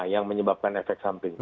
yang menyebabkan efek samping